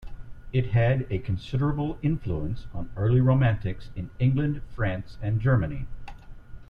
It had a considerable influence on early Romantics in England, France and Germany.